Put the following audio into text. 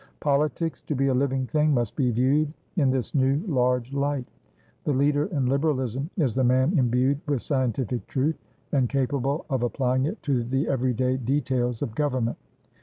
"Politics, to be a living thing, must be viewed in this new, large light. The leader in Liberalism is the man imbued with scientific truth, and capable of applying it to the every day details of government.